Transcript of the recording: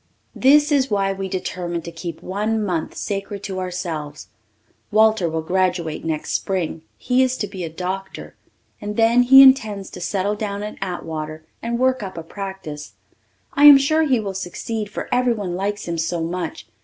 This is why we determined to keep one month sacred to ourselves. Walter will graduate next spring he is to be a doctor and then he intends to settle down in Atwater and work up a practice. I am sure he will succeed for everyone likes him so much.